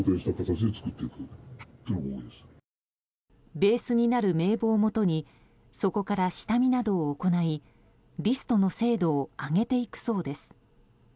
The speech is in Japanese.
ベースになる名簿をもとにそこから下見などを行いリストの精度を上げていくそうです。